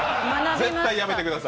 絶対やめてください！